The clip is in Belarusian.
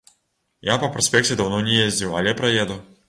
Я па праспекце даўно не ездзіў, але праеду.